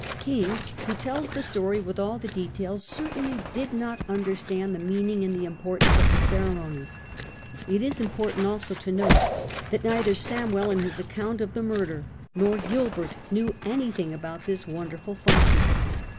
King, who tells the story with all the details, certainly did not understand the meaning and the importance of the ceremonies. It is important also to note that neither Samwell in his account of the murder, nor Gilbert, knew anything about this wonderful function.